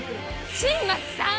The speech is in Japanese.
新町さん！